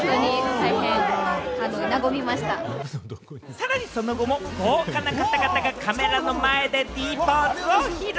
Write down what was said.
さらに、その後も豪華な方々がカメラの前でＤポーズを披露。